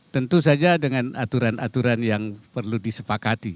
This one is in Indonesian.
tentu saja dengan aturan aturan yang perlu disepakati